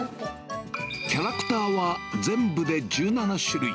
キャラクターは全部で１７種類。